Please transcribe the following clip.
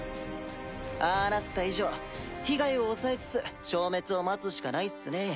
ああなった以上被害を抑えつつ消滅を待つしかないっすね。